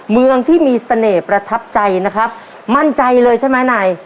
เมืองที่มีเสน่ห์ประทับใจนะครับมั่นใจเลยใช่ไหมนาย